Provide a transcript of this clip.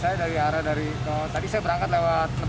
saya dari arah dari tadi saya berangkat lewat empat puluh macet